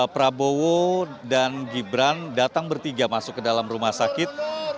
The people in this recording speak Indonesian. prabowo dan gibran datang bertiga masuk ke dalam rumah sakit